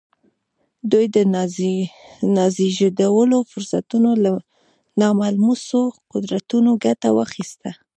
دوی د نازېږېدلو فرصتونو له ناملموسو قدرتونو ګټه واخيسته.